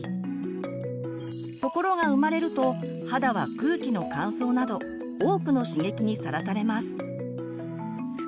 ところが生まれると肌は空気の乾燥など多くの刺激にさらされます。